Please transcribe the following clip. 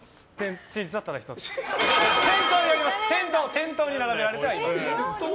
店頭に並べられてはいます。